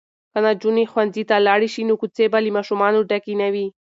که نجونې ښوونځي ته لاړې شي نو کوڅې به له ماشومانو ډکې نه وي.